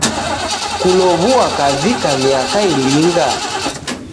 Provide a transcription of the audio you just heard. Kulow'ua kavika miaka ilinga?.